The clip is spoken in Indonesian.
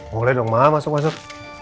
boleh dong malah masuk masuk